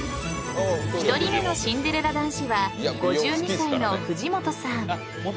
［１人目のシンデレラ男子は５２歳の藤本さん］